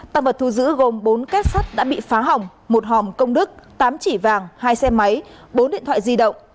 tăng vật thu giữ gồm bốn kết sắt đã bị phá hỏng một hòm công đức tám chỉ vàng hai xe máy bốn điện thoại di động